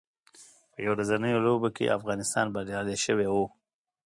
په یو ورځنیو لوبو کې افغانستان بریالی شوی و